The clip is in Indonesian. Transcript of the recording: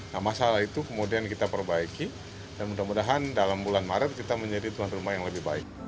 nah masalah itu kemudian kita perbaiki dan mudah mudahan dalam bulan maret kita menjadi tuan rumah yang lebih baik